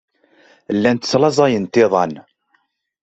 Llant slaẓayent iḍan.